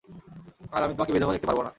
আর আমি তোমাকে বিধবা দেখতে পারবো না।